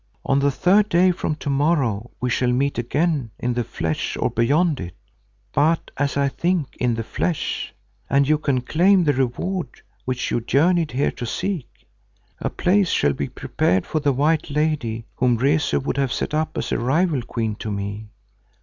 On the third day from to morrow we shall meet again in the flesh or beyond it, but as I think in the flesh, and you can claim the reward which you journeyed here to seek. A place shall be prepared for the white lady whom Rezu would have set up as a rival queen to me.